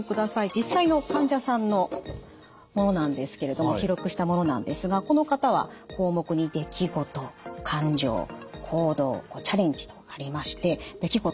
実際の患者さんのものなんですけれども記録したものなんですがこの方は項目に「出来事」「感情」「行動」「チャレンジ」とありまして「出来事」